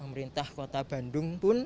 pemerintah kota bandung pun